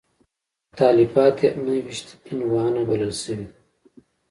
تالیفات یې نهه ویشت عنوانه بلل شوي.